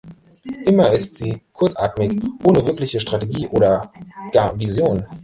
Immer ist sie kurzatmig, ohne wirkliche Strategie oder gar Vision.